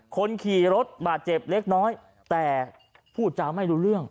คนขี่รถบาดเจ็บเล็กน้อยแต่พูดจาไม่รู้เรื่อง